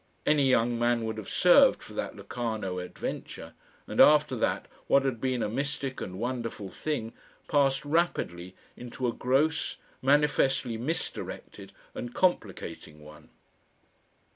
Any young man would have served for that Locarno adventure, and after that what had been a mystic and wonderful thing passed rapidly into a gross, manifestly misdirected and complicating one.